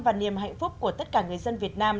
và niềm hạnh phúc của tất cả người dân việt nam